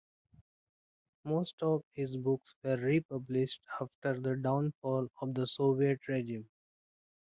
Most of his books were republished after the downfall of the Soviet regime.